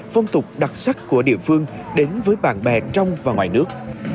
phong tục đặc sắc của địa phương đến với bạn bè trong và ngoài nước